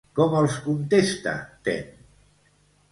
Com els contesta Tem?